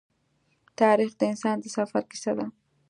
تاریخ د انسان د سفر کیسه ده.